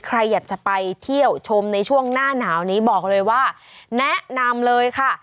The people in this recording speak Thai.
ใครอยากจะไปเที่ยวชมในช่วงหน้าหนาวนี้บอกเลยว่าแนะนำเลยค่ะ